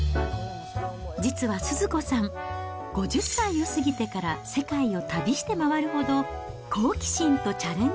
実はスズ子さん、５０歳を過ぎてから世界を旅して回るほど、好奇心とチャレンジ